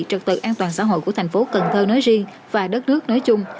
trực tự an toàn xã hội của thành phố cần thơ nói riêng và đất nước nói chung